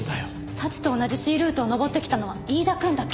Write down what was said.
早智と同じＣルートを登ってきたのは飯田くんだけ。